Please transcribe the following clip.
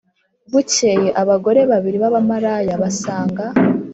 Bukeye abagore babiri b abamalaya basanga